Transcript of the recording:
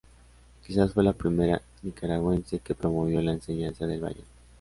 Quizás fue la primera nicaragüense que promovió la enseñanza del ballet.